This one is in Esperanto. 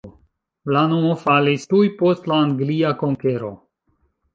La nomo falis tuj post la anglia konkero.